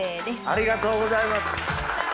ありがとうございます。